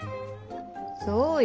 そうよ。